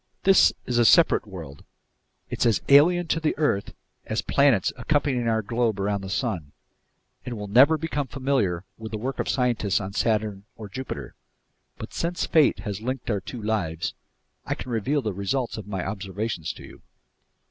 "This is a separate world. It's as alien to the earth as the planets accompanying our globe around the sun, and we'll never become familiar with the work of scientists on Saturn or Jupiter. But since fate has linked our two lives, I can reveal the results of my observations to you."